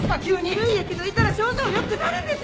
髄液抜いたら症状良くなるんですよね